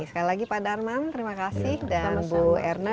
sekali lagi pak darman terima kasih dan bu erna